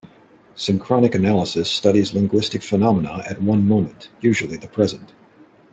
Synchronic analysis studies linguistic phenomena at one moment, usually the present.